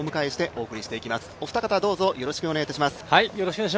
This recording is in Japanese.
お二方、どうぞよろしくお願いします。